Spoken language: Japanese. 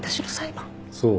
そう。